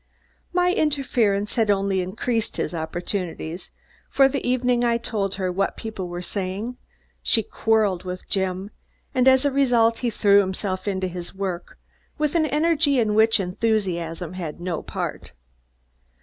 My interference had only increased his opportunities, for the evening I told her what people were saying, she quarreled with Jim, and as a result he threw himself into his work with an energy in which enthusiasm had no part.